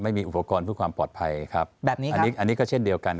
ไม่มีอุปกรณ์เพื่อความปลอดภัยครับแบบนี้อันนี้อันนี้ก็เช่นเดียวกัน